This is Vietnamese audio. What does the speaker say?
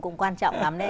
cũng quan trọng lắm đấy